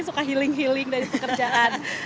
suka healing healing dari pekerjaan